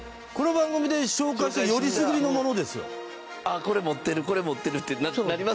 これ持ってるこれ持ってるってなりますよね。